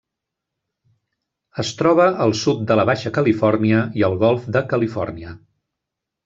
Es troba al sud de la Baixa Califòrnia i el Golf de Califòrnia.